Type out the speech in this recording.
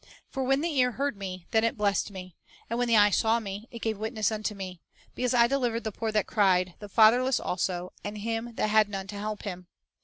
... "For when the ear heard me, then it blessed me ; And when the eye saw me, it gave witness unto me ; Because I delivered the poor that cried, The fatherless also, and him l that had none to help him.